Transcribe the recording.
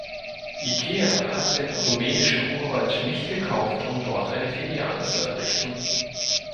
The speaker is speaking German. Ikea hat den rumänischen Urwald nicht gekauft, um dort eine Filiale zu errichten.